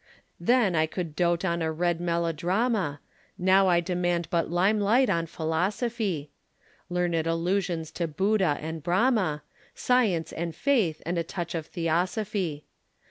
Then I could dote on a red melodrama, Now I demand but limelight on Philosophy, Learned allusions to Buddha and Brahma, Science and Faith and a touch of Theosophy.